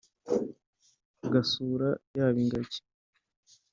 ugasura yaba ingagi